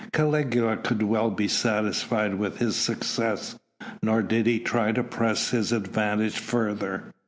Caligula could well be satisfied with his success; nor did he try to press his advantage further.